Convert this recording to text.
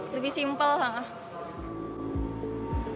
lebih simpel lah